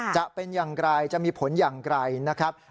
จะเป็นอย่างไรจะมีผลอย่างไกลนะครับ